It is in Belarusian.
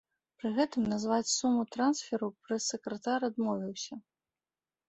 Пры гэтым назваць суму трансферу прэс-сакратар адмовіўся.